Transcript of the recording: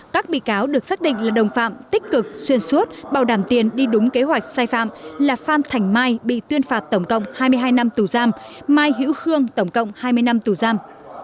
các bị cáo được xác định là đồng phạm tích cực xuyên suốt bảo đảm tiền đi đúng kế hoạch sai phạm là phan thành mai bị tuyên phạt tổng cộng hai mươi hai năm tù giam mai hữu khương tổng cộng hai mươi năm tù giam